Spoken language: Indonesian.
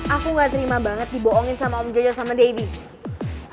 aku gak terima banget dibohongin sama om joyo sama debbie